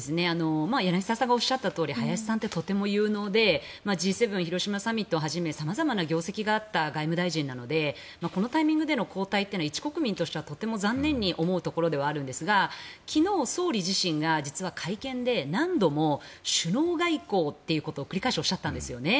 柳澤さんがおっしゃったとおり林さんってとても有能でＧ７広島サミットをはじめ様々な業績があった外務大臣なのでこのタイミングでの交代は一国民としてはとても残念に思うところではあるんですが昨日総理自身が実は会見で何度も首脳外交っていうことを繰り返しおっしゃったんですね。